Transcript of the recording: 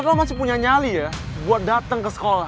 tadalah masih punya nyali ya buat dateng ke sekolah